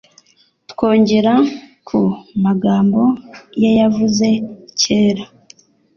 twongera ku magambo yeyavuze cyera